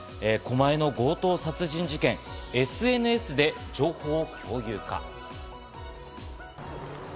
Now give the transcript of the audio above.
狛江の強盗殺人事件、ＳＮＳで情報共有か？